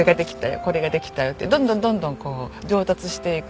「これができたよ」ってどんどんどんどんこう上達していく。